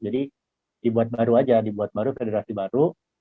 jadi dibuat baru aja dibuat baru federasi baru